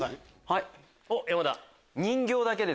はい！